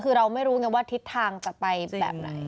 คือเราไม่รู้ไงว่าทิศทางจะไปแบบไหน